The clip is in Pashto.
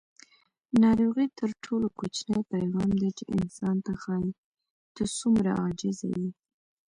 ناروغي تر ټولو کوچنی پیغام دی چې انسان ته ښایي: ته څومره عاجزه یې.